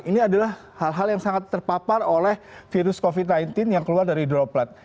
ini adalah hal hal yang sangat terpapar oleh virus covid sembilan belas yang keluar dari droplet